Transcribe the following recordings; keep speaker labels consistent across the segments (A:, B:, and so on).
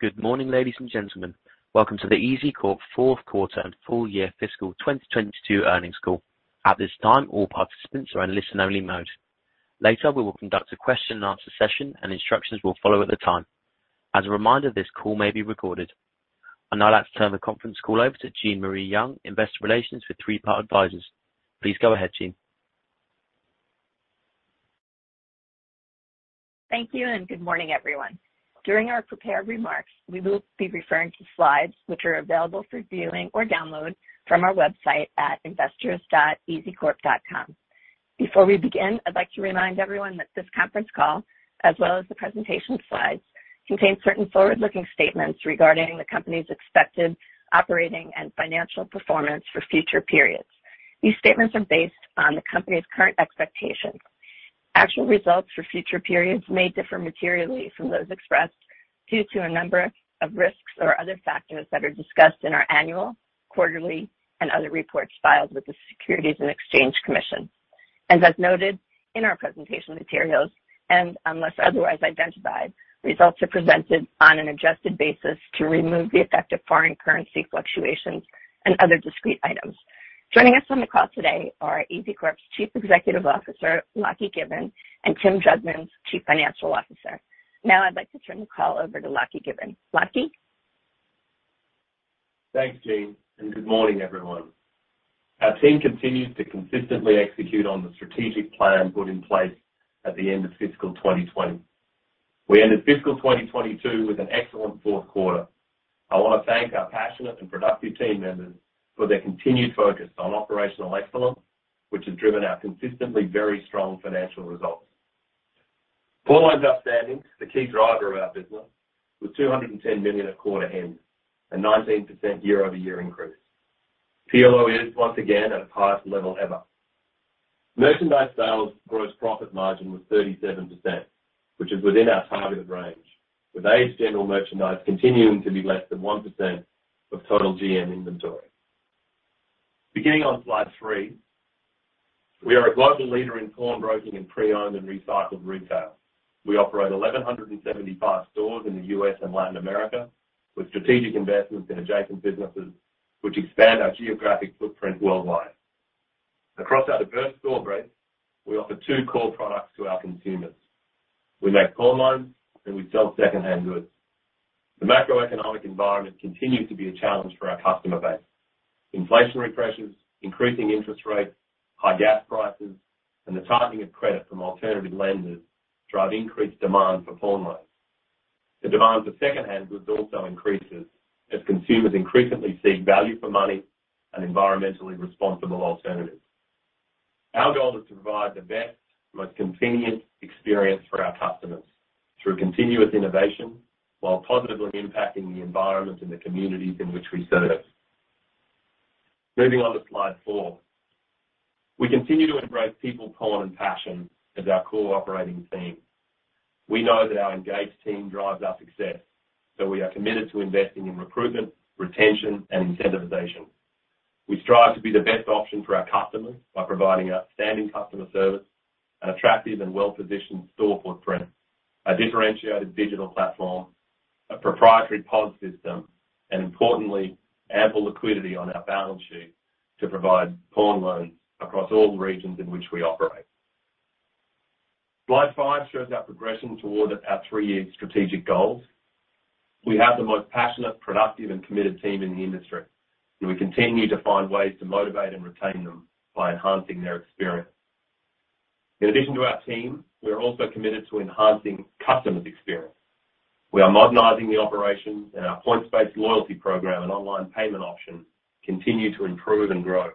A: Good morning, ladies and gentlemen. Welcome to the EZCORP fourth quarter and full year fiscal 2022 earnings call. At this time, all participants are in listen-only mode. Later, we will conduct a question-and-answer session, and instructions will follow at the time. As a reminder, this call may be recorded. I'd now like to turn the conference call over to Jean Marie Young, Investor Relations with Three Part Advisors. Please go ahead, Jean.
B: Thank you, and good morning, everyone. During our prepared remarks, we will be referring to slides which are available for viewing or download from our website at investors.ezcorp.com. Before we begin, I'd like to remind everyone that this conference call, as well as the presentation slides, contains certain forward-looking statements regarding the company's expected operating and financial performance for future periods. These statements are based on the company's current expectations. Actual results for future periods may differ materially from those expressed due to a number of risks or other factors that are discussed in our annual, quarterly, and other reports filed with the Securities and Exchange Commission. As noted in our presentation materials, and unless otherwise identified, results are presented on an adjusted basis to remove the effect of foreign currency fluctuations and other discrete items. Joining us on the call today are EZCORP's Chief Executive Officer, Lachlan Given, and Tim Jugmans, Chief Financial Officer. Now I'd like to turn the call over to Lachlan Given. Lachie?
C: Thanks, Jean, and good morning, everyone. Our team continues to consistently execute on the strategic plan put in place at the end of fiscal 2020. We ended fiscal 2022 with an excellent fourth quarter. I wanna thank our passionate and productive team members for their continued focus on operational excellence, which has driven our consistently very strong financial results. Pawn loans outstanding, the key driver of our business, was $210 million at quarter end, a 19% year-over-year increase. PLO is once again at a highest level ever. Merchandise sales gross profit margin was 37%, which is within our targeted range, with aged general merchandise continuing to be less than 1% of total GM inventory. Beginning on slide three. We are a global leader in pawnbroking and pre-owned and recycled retail. We operate 1,175 stores in the U.S. and Latin America, with strategic investments in adjacent businesses which expand our geographic footprint worldwide. Across our diverse store base, we offer two core products to our consumers. We make pawn loans and we sell second-hand goods. The macroeconomic environment continues to be a challenge for our customer base. Inflationary pressures, increasing interest rates, high gas prices, and the tightening of credit from alternative lenders drive increased demand for pawn loans. The demand for second-hand goods also increases as consumers increasingly seek value for money and environmentally responsible alternatives. Our goal is to provide the best, most convenient experience for our customers through continuous innovation while positively impacting the environment and the communities in which we serve. Moving on to slide four. We continue to embrace people, pawn, and passion as our core operating theme. We know that our engaged team drives our success, so we are committed to investing in recruitment, retention, and incentivization. We strive to be the best option for our customers by providing outstanding customer service, an attractive and well-positioned store footprint, a differentiated digital platform, a proprietary POS system, and importantly, ample liquidity on our balance sheet to provide pawn loans across all the regions in which we operate. Slide five shows our progression toward our three-year strategic goals. We have the most passionate, productive, and committed team in the industry, and we continue to find ways to motivate and retain them by enhancing their experience. In addition to our team, we are also committed to enhancing customers' experience. We are modernizing the operations, and our points-based loyalty program and online payment option continue to improve and grow.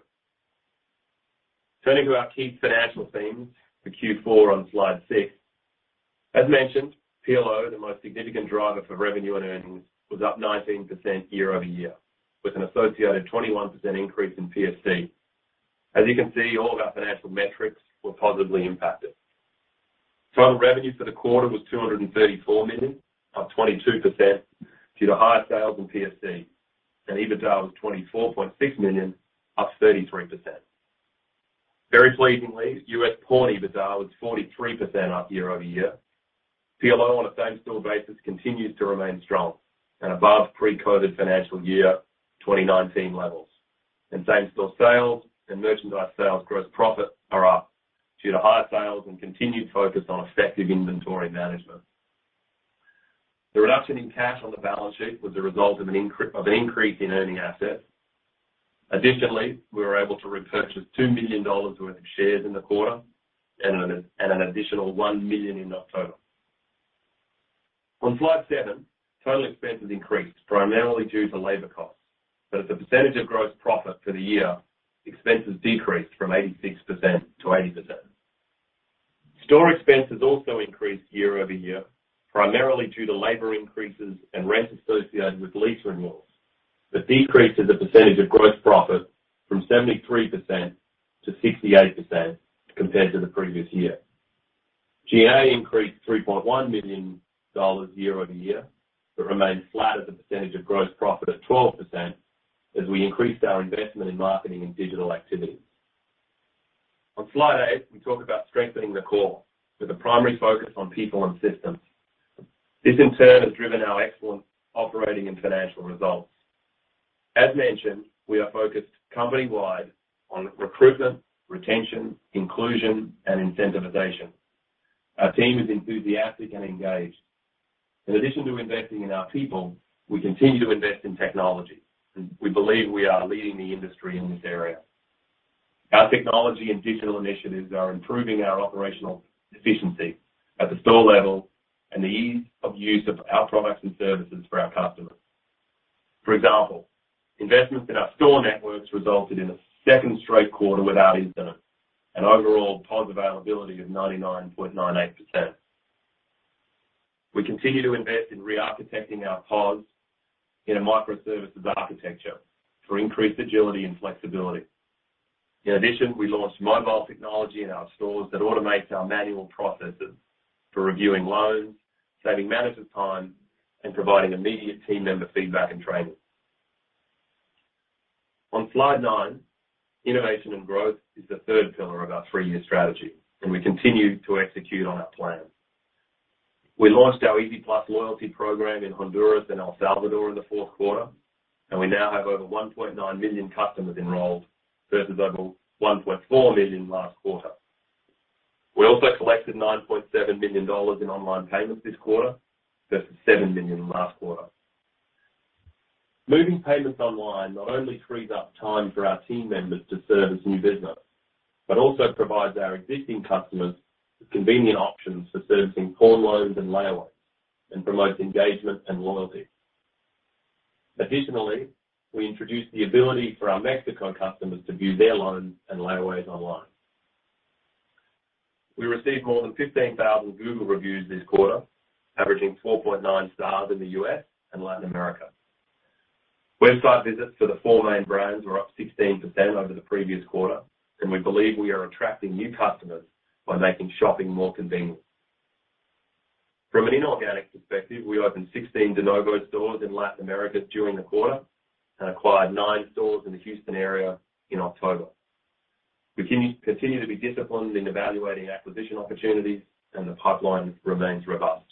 C: Turning to our key financial themes for Q4 on slide six. As mentioned, PLO, the most significant driver for revenue and earnings, was up 19% year-over-year, with an associated 21% increase in PSC. As you can see, all of our financial metrics were positively impacted. Total revenue for the quarter was $234 million, up 22% due to higher sales and PSC, and EBITDA was $24.6 million, up 33%. Very pleasingly, U.S. pawn EBITDA was 43% up year-over-year. PLO on a same-store basis continues to remain strong and above pre-COVID financial year 2019 levels. Same-store sales and merchandise sales gross profit are up due to higher sales and continued focus on effective inventory management. The reduction in cash on the balance sheet was a result of an increase in earning assets. Additionally, we were able to repurchase two million dollars worth of shares in the quarter and an, and an additional one million in October. On slide seven, total expenses increased primarily due to labor costs, but as a percentage of gross profit for the year, expenses decreased from 86% to 80%. Store expenses also increased year over year, primarily due to labor increases and rent associated with lease renewals, but decreased as a percentage of gross profit from 73% to 68% compared to the previous year. G&A increased $3.1 Million year-over-year, but remained flat as a percentage of gross profit at 12% as we increased our investment in marketing and digital activities. On slide eight, we talk about strengthening the core with a primary focus on people and systems. This in turn has driven our excellent operating and financial results. As mentioned, we are focused company-wide on recruitment, retention, inclusion, and incentivization. Our team is enthusiastic and engaged. In addition to investing in our people, we continue to invest in technology, and we believe we are leading the industry in this area. Our technology and digital initiatives are improving our operational efficiency at the store level and the ease of use of our products and services for our customers. For example, investments in our store networks resulted in a second straight quarter without incident, an overall POS availability of 99.98%. We continue to invest in re-architecting our POS in a microservices architecture for increased agility and flexibility. In addition, we launched mobile technology in our stores that automates our manual processes for reviewing loans, saving management time, and providing immediate team member feedback and training. On slide nine, innovation and growth is the third pillar of our three-year strategy, and we continue to execute on our plan. We launched our EZ+ loyalty program in Honduras and El Salvador in the fourth quarter, and we now have over 1.9 million customers enrolled versus over 1.4 million last quarter. We also collected $9.7 million in online payments this quarter versus $7 million last quarter. Moving payments online not only frees up time for our team members to service new business, but also provides our existing customers with convenient options for servicing pawn loans and layaways and promotes engagement and loyalty. Additionally, we introduced the ability for our Mexico customers to view their loans and layaways online. We received more than 15,000 Google reviews this quarter, averaging 4.9 stars in the U.S. and Latin America. Website visits for the four main brands were up 16% over the previous quarter, and we believe we are attracting new customers by making shopping more convenient. From an inorganic perspective, we opened 16 de novo stores in Latin America during the quarter and acquired nine stores in the Houston area in October. We continue to be disciplined in evaluating acquisition opportunities, and the pipeline remains robust.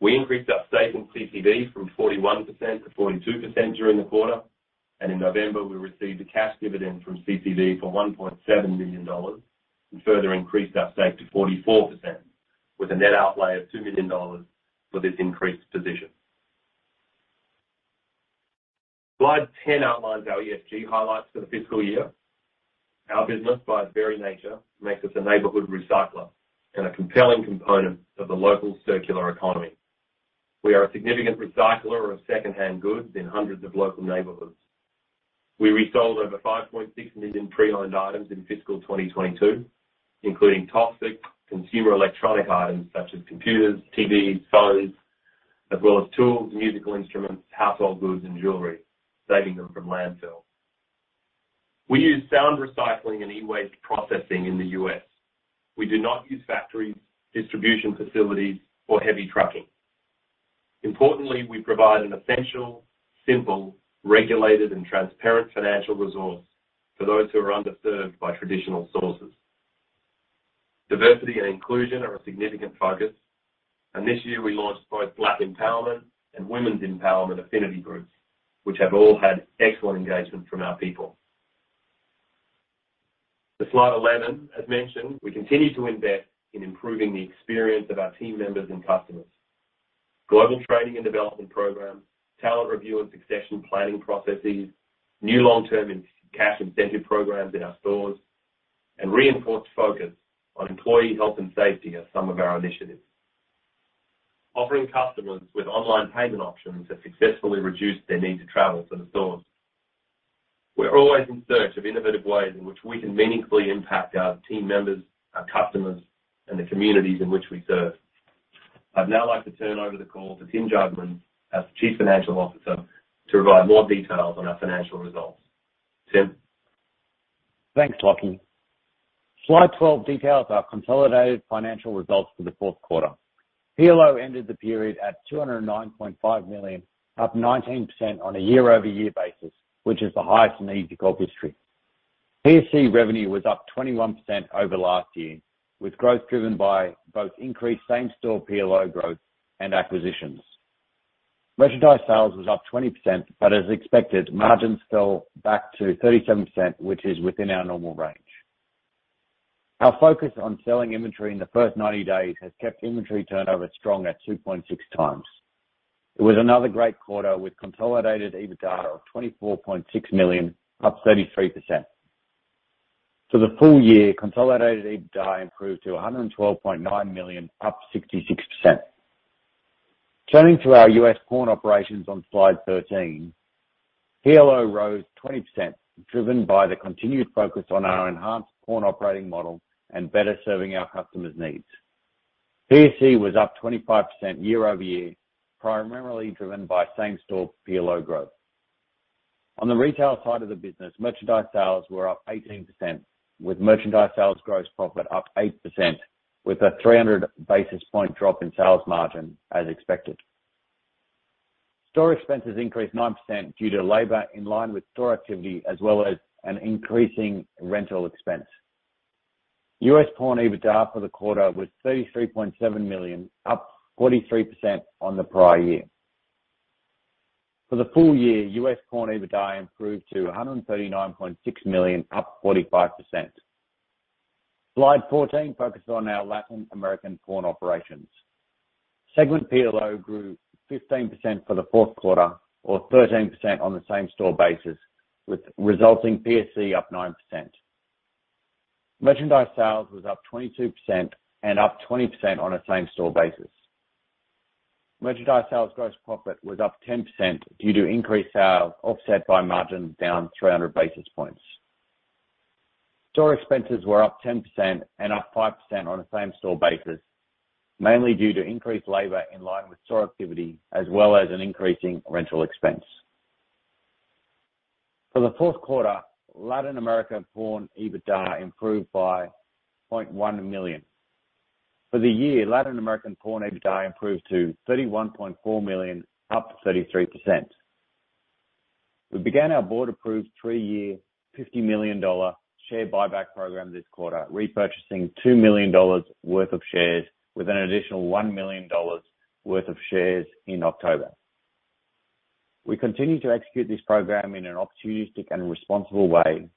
C: We increased our stake in CCV from 41% to 42% during the quarter. In November, we received a cash dividend from CCV for $1.7 million and further increased our stake to 44% with a net outlay of $2 million for this increased position. Slide 10 outlines our ESG highlights for the fiscal year. Our business, by its very nature, makes us a neighborhood recycler and a compelling component of the local circular economy. We are a significant recycler of secondhand goods in hundreds of local neighborhoods. We resold over 5.6 million pre-owned items in fiscal 2022, including tech consumer electronic items such as computers, T.V.s, phones, as well as tools, musical instruments, household goods and jewelry, saving them from landfill. We use sound recycling and e-waste processing in the U.S. We do not use factories, distribution facilities or heavy trucking. Importantly, we provide an essential, simple, regulated and transparent financial resource for those who are underserved by traditional sources. Diversity and inclusion are a significant focus, and this year we launched both Black Empowerment and Women's Empowerment affinity groups, which have all had excellent engagement from our people. To slide 11, as mentioned, we continue to invest in improving the experience of our team members and customers. Global training and development programs, talent review and succession planning processes, new long-term cash incentive programs in our stores, and reinforced focus on employee health and safety are some of our initiatives. Offering customers with online payment options have successfully reduced their need to travel to the stores. We're always in search of innovative ways in which we can meaningfully impact our team members, our customers, and the communities in which we serve. I'd now like to turn over the call to Tim Jugmans, our Chief Financial Officer, to provide more details on our financial results. Tim?
D: Thanks, Lachie. Slide 12 details our consolidated financial results for the fourth quarter. PLO ended the period at $209.5 million, up 19% on a year-over-year basis, which is the highest in EZCORP history. PSC revenue was up 21% over last year, with growth driven by both increased same-store PLO growth and acquisitions. Merchandise sales was up 20%, but as expected, margins fell back to 37%, which is within our normal range. Our focus on selling inventory in the first 90 days has kept inventory turnover strong at 2.6x. It was another great quarter with consolidated EBITDA of $24.6 million, up 33%. For the full year, consolidated EBITDA improved to $112.9 million, up 66%. Turning to our U.S. pawn operations on slide 13. PLO rose 20%, driven by the continued focus on our enhanced pawn operating model and better serving our customers' needs. PSC was up 25% year-over-year, primarily driven by same-store PLO growth. On the retail side of the business, merchandise sales were up 18%, with merchandise sales gross profit up 8% with a 300 basis point drop in sales margin as expected. Store expenses increased nine percent due to labor in line with store activity as well as an increasing rental expense. US Pawn EBITDA for the quarter was $33.7 Million, up 43% on the prior year. For the full year, US Pawn EBITDA improved to $139.6 Million, up 45%. Slide 14 focuses on our Latin American Pawn operations. Segment PLO grew 15% for the fourth quarter or 13% on the same-store basis, with resulting PSC up 9%. Merchandise sales was up 22% and up 20% on a same-store basis. Merchandise sales gross profit was up 10% due to increased sales offset by margins down 300 basis points. Store expenses were up 10% and up 5% on a same-store basis, mainly due to increased labor in line with store activity as well as an increasing rental expense. For the fourth quarter, Latin America Pawn EBITDA improved by $0.1 million. For the year, Latin American Pawn EBITDA improved to $31.4 million, up 33%. We began our Board-approved three-year 50 million-dollar share buyback program this quarter, repurchasing $2 million worth of shares with an additional $1 million worth of shares in October. We continue to execute this program in an opportunistic and responsible way,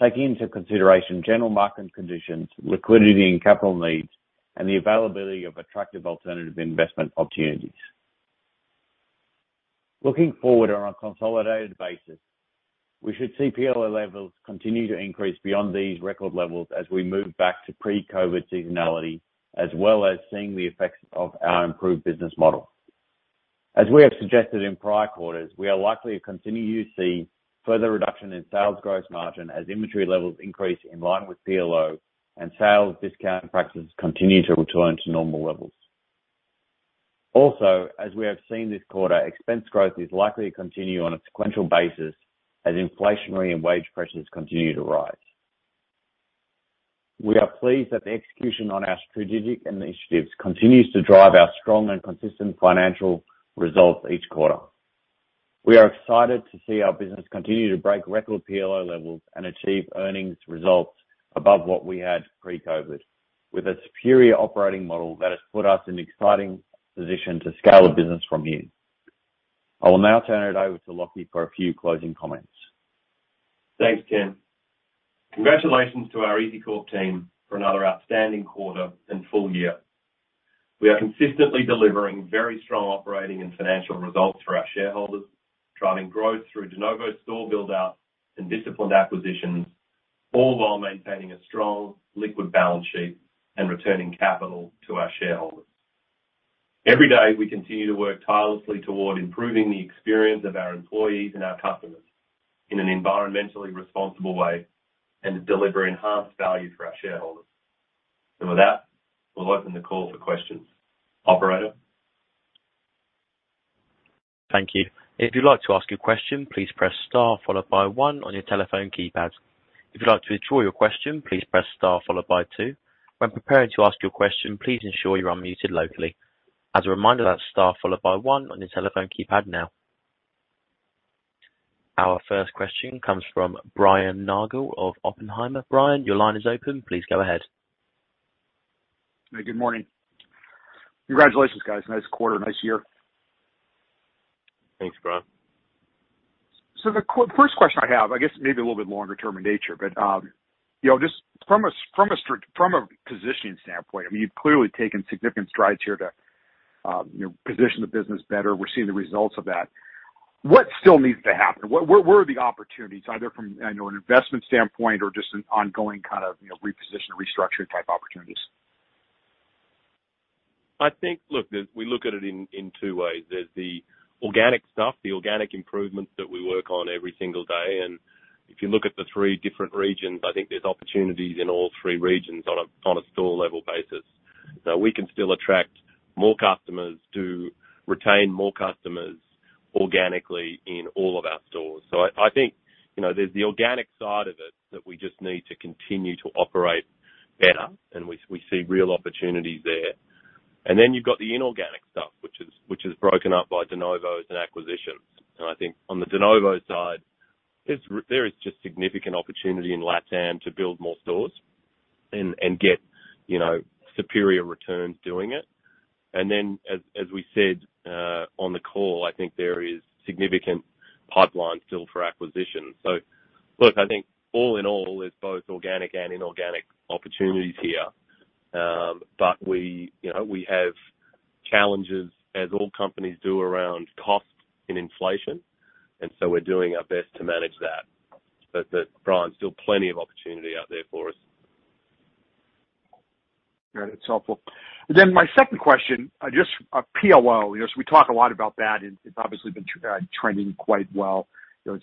D: taking into consideration general market conditions, liquidity and capital needs, and the availability of attractive alternative investment opportunities. Looking forward on a consolidated basis, we should see PLO levels continue to increase beyond these record levels as we move back to pre-COVID seasonality, as well as seeing the effects of our improved business model. As we have suggested in prior quarters, we are likely to continue to see further reduction in sales gross margin as inventory levels increase in line with PLO and sales discount practices continue to return to normal levels. Also, as we have seen this quarter, expense growth is likely to continue on a sequential basis as inflationary and wage pressures continue to rise. We are pleased that the execution on our strategic initiatives continues to drive our strong and consistent financial results each quarter. We are excited to see our business continue to break record PLO levels and achieve earnings results above what we had pre-COVID, with a superior operating model that has put us in an exciting position to scale the business from here. I will now turn it over to Lachlan for a few closing comments.
C: Thanks, Tim. Congratulations to our EZCORP team for another outstanding quarter and full year. We are consistently delivering very strong operating and financial results for our shareholders, driving growth through de novo store build-out and disciplined acquisitions, all while maintaining a strong liquid balance sheet and returning capital to our shareholders. Every day, we continue to work tirelessly toward improving the experience of our employees and our customers in an environmentally responsible way and to deliver enhanced value for our shareholders. With that, we'll open the call for questions. Operator?
A: Thank you. If you'd like to ask a question, please press star followed by 1 on your telephone keypad. If you'd like to withdraw your question, please press star followed by 2. When preparing to ask your question, please ensure you're unmuted locally. As a reminder, that's star followed by 1 on your telephone keypad now. Our first question comes from Brian Nagel of Oppenheimer. Brian, your line is open. Please go ahead.
E: Good morning. Congratulations, guys. Nice quarter. Nice year.
C: Thanks, Brian.
E: First question I have, I guess maybe a little bit longer term in nature, you know, just from a positioning standpoint, I mean, you've clearly taken significant strides here to, you know, position the business better. We're seeing the results of that. What still needs to happen? Where are the opportunities, either from, you know, an investment standpoint or just an ongoing kind of, you know, reposition, restructuring type opportunities?
C: I think we look at it in two ways. There's the organic stuff, the organic improvements that we work on every single day. If you look at the three different regions, I think there's opportunities in all three regions on a store level basis. We can still attract more customers to retain more customers organically in all of our stores. I think, you know, there's the organic side of it that we just need to continue to operate better and we see real opportunities there. You've got the inorganic stuff which is broken up by de novo and acquisitions. I think on the de novo side, there is just significant opportunity in LATAM to build more stores and get, you know, superior returns doing it. As we said on the call, I think there is significant pipeline still for acquisitions. Look, I think all in all, there's both organic and inorganic opportunities here. We, you know, have challenges, as all companies do, around cost and inflation, and so we're doing our best to manage that. Brian, still plenty of opportunity out there for us.
E: Great. It's helpful. My second question just on PLO. You know, we talk a lot about that and it's obviously been trending quite well. You know,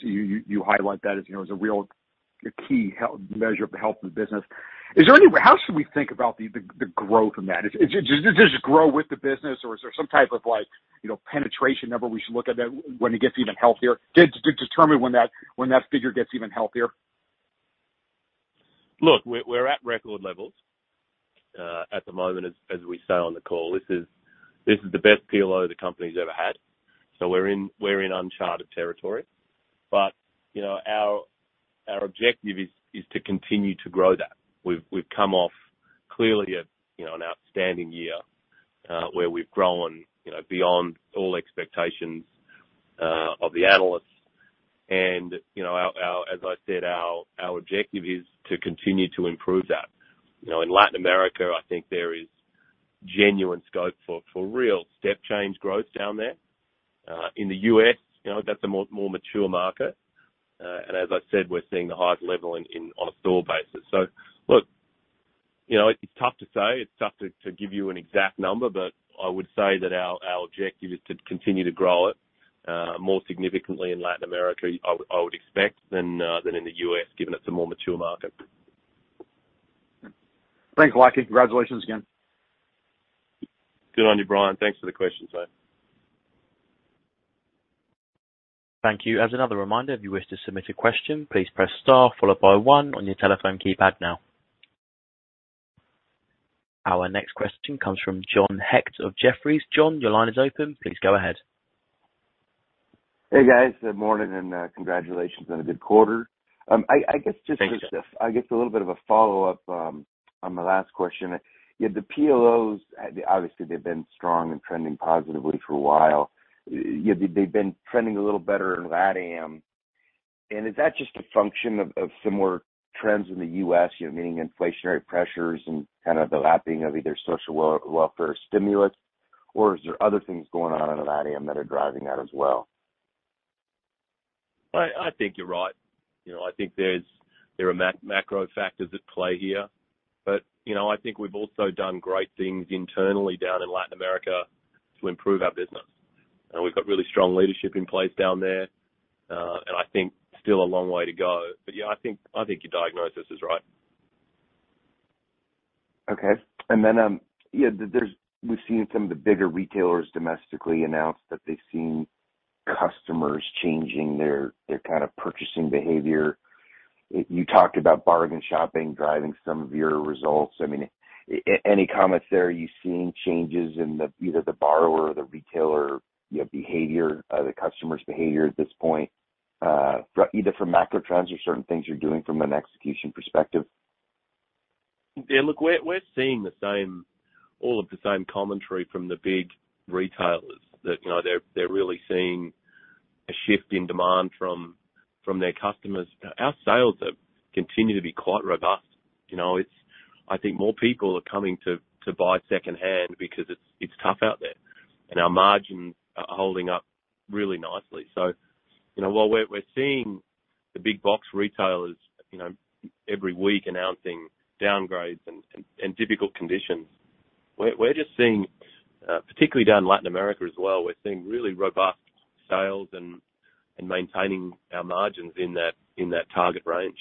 E: you highlight that as, you know, as a real key measure of the health of the business. How should we think about the growth in that? Does it just grow with the business or is there some type of like, you know, penetration number we should look at that when it gets even healthier, determine when that figure gets even healthier?
C: Look, we're at record levels at the moment as we say on the call. This is the best PLO the company's ever had, so we're in uncharted territory. You know, our objective is to continue to grow that. We've come off clearly, you know, an outstanding year where we've grown, you know, beyond all expectations of the analysts. You know, as I said, our objective is to continue to improve that. You know, in Latin America, I think there is genuine scope for real step change growth down there. In the U.S., you know, that's a more mature market. As I said, we're seeing the highest level on a store basis. Look, you know, it's tough to say. It's tough to give you an exact number, but I would say that our objective is to continue to grow it more significantly in Latin America, I would expect, than in the U.S., given it's a more mature market.
E: Thanks, Lachie. Congratulations again.
C: Good on you, Brian. Thanks for the question, mate.
A: Thank you. As another reminder, if you wish to submit a question, please press star followed by 1 on your telephone keypad now. Our next question comes from John Hecht of Jefferies. John, your line is open. Please go ahead.
F: Hey, guys. Good morning, and congratulations on a good quarter.
C: Thank you.
F: I guess a little bit of a follow-up on the last question. Yeah, the PLOs, obviously, they've been strong and trending positively for a while. Yeah, they've been trending a little better in LATAM. Is that just a function of similar trends in the U.S., you know, meaning inflationary pressures and kind of the lapping of either social welfare stimulus? Is there other things going on in LATAM that are driving that as well?
C: I think you're right. You know, I think there are macro factors at play here. You know, I think we've also done great things internally down in Latin America to improve our business. We've got really strong leadership in place down there. I think still a long way to go. Yeah, I think your diagnosis is right.
F: Okay. Yeah, we've seen some of the bigger retailers domestically announce that they've seen customers changing their kind of purchasing behavior. You talked about bargain shopping driving some of your results. I mean, any comments there? Are you seeing changes in either the borrower or the retailer, you know, behavior, the customer's behavior at this point, either from macro trends or certain things you're doing from an execution perspective?
C: Yeah, look, we're seeing the same, all of the same commentary from the big retailers that, you know, they're really seeing a shift in demand from their customers. Our sales have continued to be quite robust. You know, I think more people are coming to buy second-hand because it's tough out there. Our margins are holding up really nicely. You know, while we're seeing the big box retailers, you know, every week announcing downgrades and difficult conditions, we're just seeing, particularly down in Latin America as well, we're seeing really robust sales and maintaining our margins in that target range.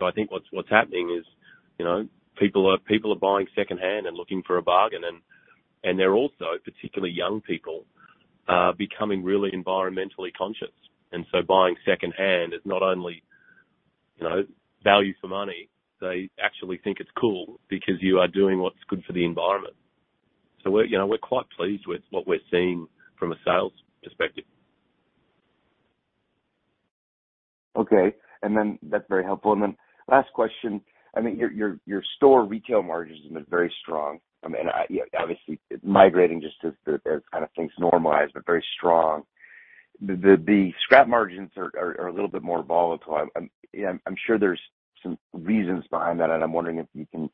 C: I think what's happening is, you know, people are buying second-hand and looking for a bargain and they're also, particularly young people, becoming really environmentally conscious. Buying secondhand is not only, you know, value for money. They actually think it's cool because you are doing what's good for the environment. We're, you know, quite pleased with what we're seeing from a sales perspective.
F: Okay. That's very helpful. Last question. I mean, your store retail margins have been very strong. I mean, obviously migrating just as kind of things normalize, but very strong. The scrap margins are a little bit more volatile. You know, I'm sure there's some reasons behind that, and I'm wondering if you can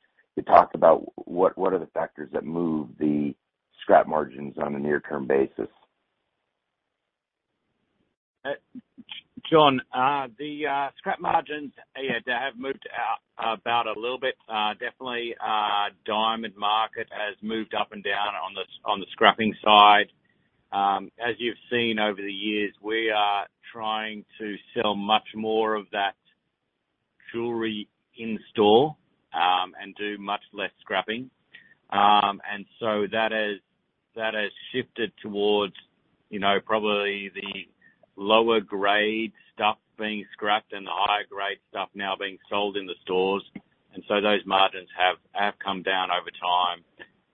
F: talk about what are the factors that move the scrap margins on a near-term basis.
C: John, the scrap margins, yeah, they have moved out about a little bit. Definitely, diamond market has moved up and down on the scrapping side. As you've seen over the years, we are trying to sell much more of that jewelry in store and do much less scrapping. That has shifted towards, you know, probably the lower grade stuff being scrapped and the higher grade stuff now being sold in the stores. Those margins have come down over time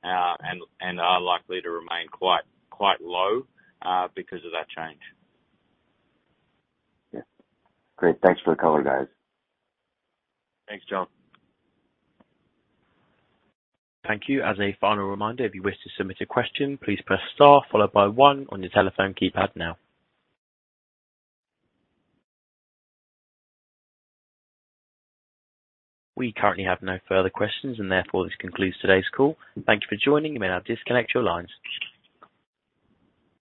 C: and are likely to remain quite low because of that change.
F: Yeah. Great. Thanks for the color, guys.
C: Thanks, John.
A: Thank you. As a final reminder, if you wish to submit a question, please press star followed by 1 on your telephone keypad now. We currently have no further questions, and therefore this concludes today's call. Thank you for joining. You may now disconnect your lines.